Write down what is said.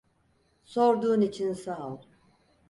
Sorduğun için sağ ol.